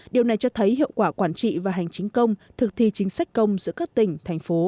điều này cho thấy hiệu quả quản trị và hành chính công thực thi chính sách công giữa các tỉnh thành phố